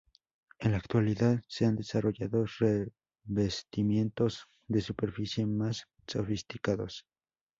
En la actualidad, se han desarrollados revestimientos de superficie más sofisticados.